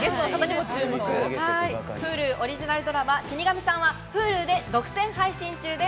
Ｈｕｌｕオリジナルドラマ『死神さん』はＨｕｌｕで独占配信中です。